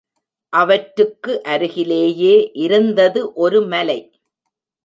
அவற்றுக்கு அருகிலேயே இருந்தது ஒரு மலை.